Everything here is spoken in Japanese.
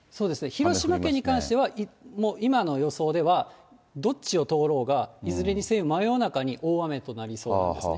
広島県に関しては今の予想では、どっちを通ろうが、いずれにせよ、真夜中に大雨となりそうですね。